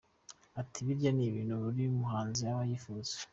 Ati ``Birya ni ibintu buri muhanzi aba yifuza’’.